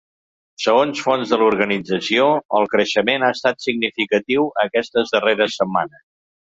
Segons fonts de l’organització, el creixement ha estat significatiu aquestes darreres setmanes.